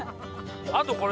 あとこれ。